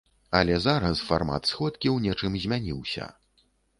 Але зараз фармат сходкі ў нечым змяніўся.